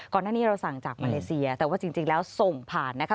ก่อนหน้านี้เราสั่งจากมาเลเซียแต่ว่าจริงแล้วส่งผ่านนะคะ